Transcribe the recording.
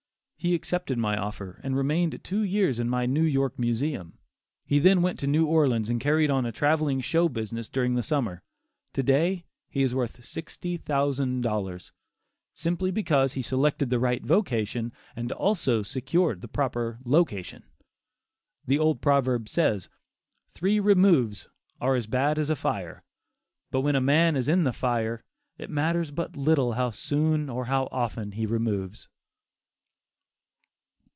He accepted my offer and remained two years in my New York Museum. He then went to New Orleans and carried on a travelling show business during the summer. To day he is worth sixty thousand dollars, simply because he selected the right vocation and also secured the proper location. The old proverb says, "Three removes are as bad as a fire," but when a man is in the fire, it matters but little how soon or how often he removes.